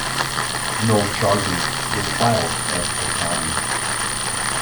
No charges were filed at the time.